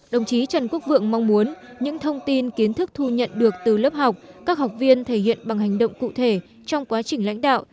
đồng chí trần quốc vượng mong muốn những thông tin kiến thức thu nhận được từ lớp học các học viên thể hiện bằng hành động cụ thể trong quá trình lãnh đạo